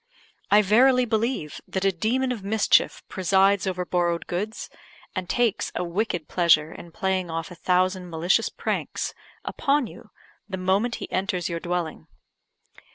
I verily believe that a demon of mischief presides over borrowed goods, and takes a wicked pleasure in playing off a thousand malicious pranks upon you the moment he enters your dwelling.